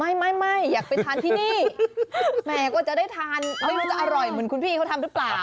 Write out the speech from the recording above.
ไม่ไม่อยากไปทานที่นี่แหมกว่าจะได้ทานไม่รู้จะอร่อยเหมือนคุณพี่เขาทำหรือเปล่า